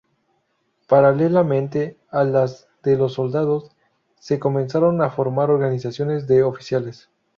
Paralelamente a las de los soldados, se comenzaron a formar organizaciones de oficiales.